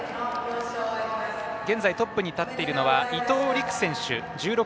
現在トップに立っているのは伊藤陸選手。